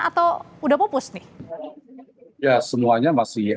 atau udah pupus nih ya semuanya masih